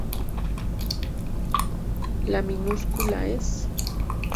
La minúscula es ꙟ.